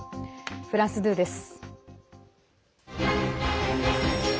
フランス２です。